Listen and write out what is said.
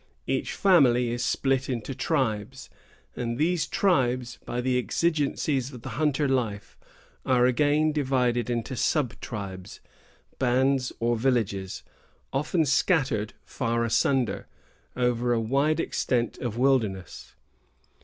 Each family is split into tribes; and these tribes, by the exigencies of the hunter life, are again divided into sub tribes, bands, or villages, often scattered far asunder, over a wide extent of wilderness.